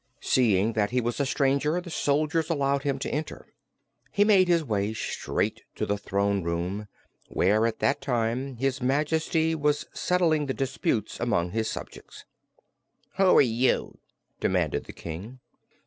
Seeing that he was a stranger, the soldiers allowed him to enter. He made his way straight to the throne room, where at that time his Majesty was settling the disputes among his subjects. "Who are you?" demanded the King.